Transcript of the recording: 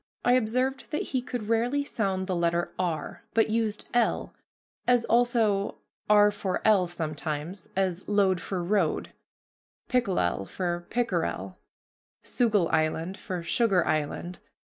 I observed that he could rarely sound the letter r, but used l, as also r for l sometimes; as load for road, pickelel for pickerel, Soogle Island for Sugar Island.